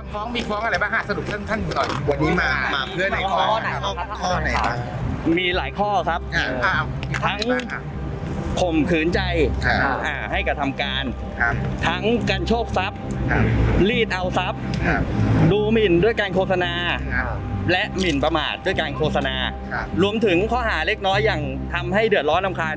คำค้องมีค้องอะไรบ้างอ่าสนุกขึ้นขึ้นหนีหน่อย